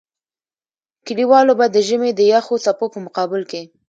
کلیوالو به د ژمي د يخو څپو په مقابل کې.